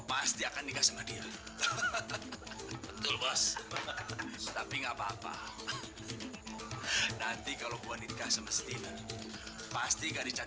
nanti jangan lupa mampir ke pasar ya